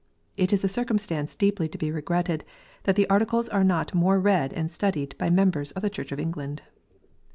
It is a circumstance deeply to be regretted that the Articles are not more read and studied by members of the Church of England.